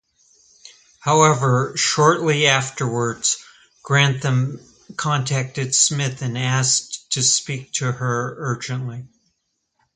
However, shortly afterwards Grantham contacted Smith and asked to speak to her urgently.